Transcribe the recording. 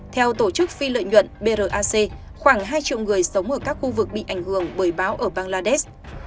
theo tổ chức phi lợi nhuận brac khoảng hai triệu người sống ở các khu vực bị ảnh hưởng bởi báo ở bangladesh